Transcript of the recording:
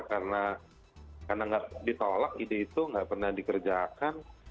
karena tidak ditolak ide itu tidak pernah dikerjakan